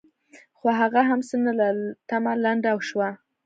خو هغه هم څه نه لرل؛ تمه لنډه شوه.